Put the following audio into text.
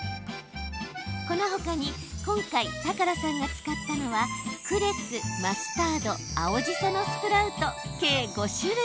このほかに今回、高良さんが使ったのはクレス、マスタード青じそのスプラウト、計５種類。